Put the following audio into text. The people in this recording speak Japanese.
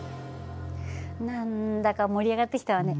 何だか盛り上がってきたわね。